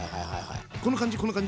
この感じこの感じ？